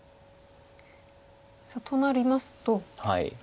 さあとなりますと。